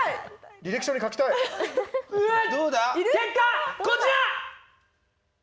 結果、こちら！